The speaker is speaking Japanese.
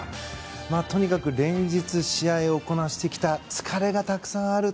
とにかく連日試合をこなしてきた疲れがたくさんある。